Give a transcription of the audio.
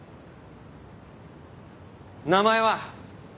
名前は？